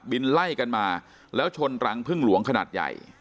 ไล่กันมาแล้วชนรังพึ่งหลวงขนาดใหญ่